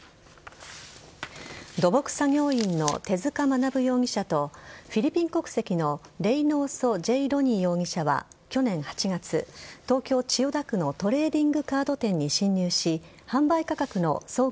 土木作業員の手塚学容疑者とフィリピン国籍のレイノーソ・ジェイ・ロニー容疑者は去年８月、東京・千代田区のトレーディングカード店に侵入し販売価格の総額